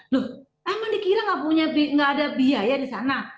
loh emang dikira nggak ada biaya di sana